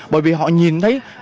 bởi vì họ nhìn thấy